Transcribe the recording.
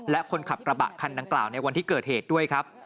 และคนขับกระบะคันดังกล่าวในวันที่เกิดเหตุด้วยครับ